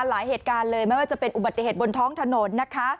หลายเหตุการณ์เลยไม่ว่าจะเป็นอุบัติเหตุบนท้องถนนนะคะ